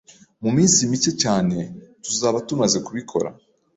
Mu minsi mike cyane tuzaba tumaze kubikora